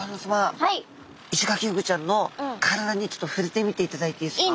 イシガキフグちゃんの体にちょっとふれてみていただいていいですか？